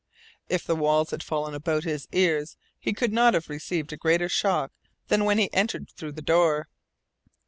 If the walls had fallen about his ears he could not have received a greater shock than when he entered through the door.